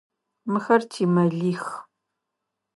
Мыхэр тимэлих.